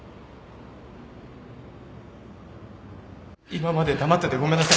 今まで黙っててごめんなさい